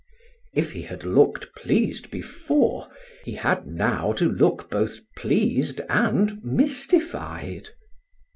If he had looked pleased before, he had now to look both pleased and mystified.